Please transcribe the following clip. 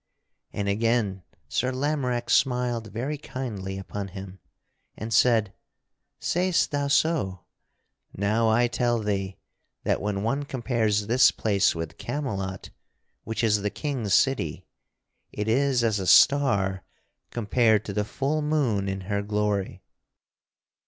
And again Sir Lamorack smiled very kindly upon him and said: "Sayst thou so? Now I tell thee that when one compares this place with Camelot (which is the King's city) it is as a star compared to the full moon in her glory."